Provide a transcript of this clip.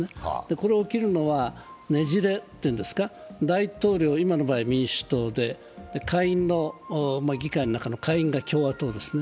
これが起きるのはねじれというのですか、大統領、今の場合、民主党で下院の議会の中が共和党ですね。